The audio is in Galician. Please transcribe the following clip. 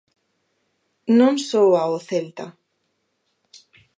Non só ao Celta.